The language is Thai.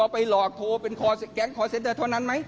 ไปหลอกโทรเป็นแก๊งคอร์เซ็นเตอร์เท่านั้นไหม